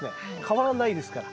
変わらないですから。